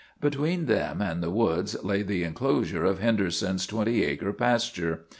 Between them and the woods lay the inclosure of Henderson's twenty acre pasture.